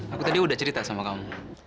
aku tadi udah cerita sama kamu